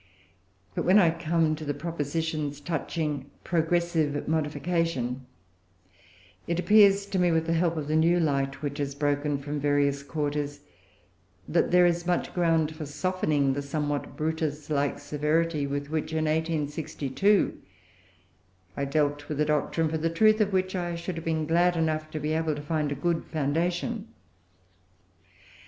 But when I come to the propositions touching progressive modification, it appears to me, with the help of the new light which has broken from various quarters, that there is much ground for softening the somewhat Brutus like severity with which, in 1862, I dealt with a doctrine, for the truth of which I should have been glad enough to be able to find a good foundation.